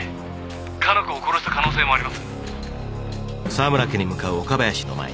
加奈子を殺した可能性もあります